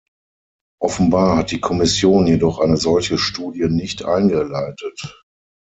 Offenbar hat die Kommission jedoch eine solche Studie nicht eingeleitet.